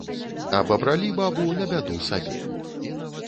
Абабралі бабу на бяду сабе.